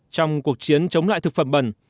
trong cuộc chiến chống lại thực phẩm bẩn